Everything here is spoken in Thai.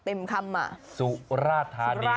เต็มคำอ่ะสุราธานี